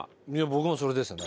僕もそれですね。